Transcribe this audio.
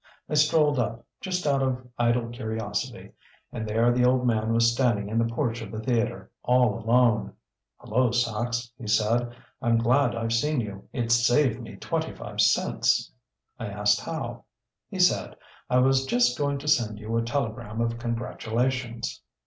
I strolled up, just out of idle curiosity, and there the old man was standing in the porch of the theatre, all alone! 'Hullo, Sachs,' he said, 'I'm glad I've seen you. It's saved me twenty five cents.' I asked how. He said, 'I was just going to send you a telegram of congratulations.